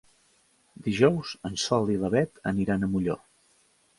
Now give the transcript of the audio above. Dijous en Sol i na Beth aniran a Molló.